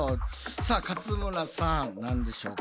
さあ勝村さん何でしょうか？